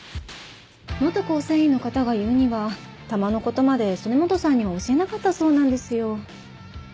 構成員の方が言うには弾のことまで曽根本さんには教えなかったそうなんですよ。